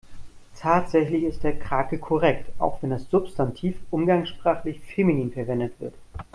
Tatsächlich ist der Krake korrekt, auch wenn das Substantiv umgangssprachlich feminin verwendet wird.